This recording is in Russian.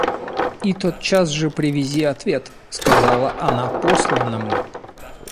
И тотчас же привези ответ, — сказала она посланному.